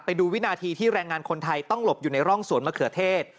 วินาทีที่แรงงานคนไทยต้องหลบอยู่ในร่องสวนมะเขือเทศ